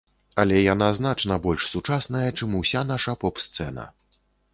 Але яна значна больш сучасная, чым уся наша поп-сцэна.